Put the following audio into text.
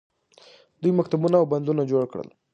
دوی مکتبونه او بندونه جوړ کړل.